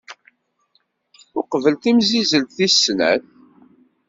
Uqbel timsizzelt tis snat.